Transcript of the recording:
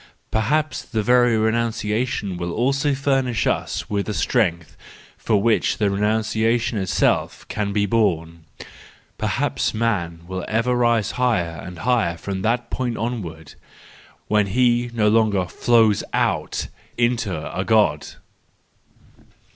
Perhaps the very renunciation will also furnish us with the strength with which the renunciation itself can be borne; perhaps man will ever rise higher and higher from that point onward, when he no longer flows out into a God.